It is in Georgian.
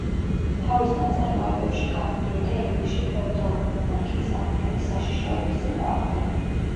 თავის ნაწარმოებებში გამოდიოდა ინგლისში ფეოდალური მონარქიის აღდგენის საშიშროების წინააღმდეგ.